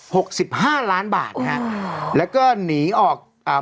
หกสิบห้าล้านบาทฮะแล้วก็หนีออกอ่า